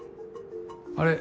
あれ？